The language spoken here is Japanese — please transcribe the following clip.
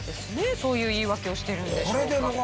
そういう言い訳をしているんでしょうか？